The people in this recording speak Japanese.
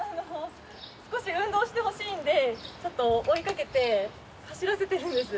少し運動してほしいんでちょっと追いかけて走らせてるんです。